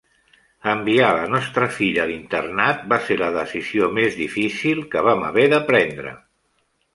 Enviar la nostra filla a l'internat va ser la decisió més difícil que vam haver de prendre.